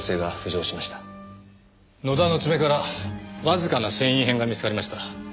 野田の爪からわずかな繊維片が見つかりました。